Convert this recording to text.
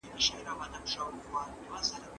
تر څو د اولادونو تر منځ ئې د کرکي فضا حاکمه نسي.